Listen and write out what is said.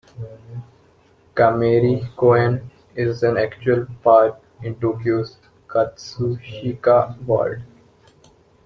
Kameari Koen is an actual park in Tokyo's Katsushika ward.